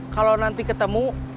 kalau nanti ketemu